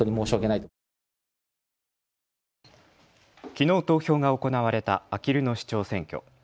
きのう投票が行われたあきる野市長選挙。